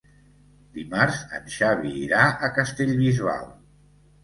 Dimarts en Xavi irà a Castellbisbal.